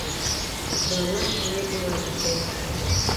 Бала илай-илай үҫә.